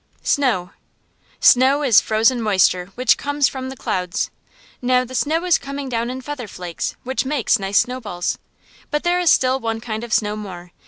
SNOW Snow is frozen moisture which comes from the clouds. Now the snow is coming down in feather flakes, which makes nice snow balls. But there is still one kind of snow more.